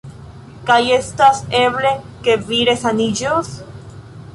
Kaj estas eble, ke vi resaniĝos?